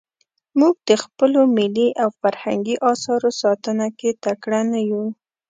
موږ د خپلو ملي او فرهنګي اثارو ساتنه کې تکړه نه یو.